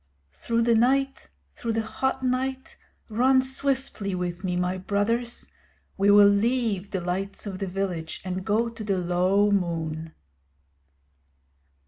Through the night, through the hot night, run swiftly with me, my brothers. We will leave the lights of the village and go to the low moon.